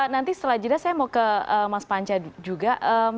nanti setelah jeda saya mau ke mas panca juga